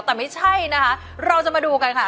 แต่ไม่ใช่นะคะเราจะมาดูกันค่ะ